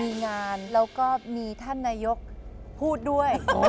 มีงานแล้วก็มีท่านนายกพูดด้วย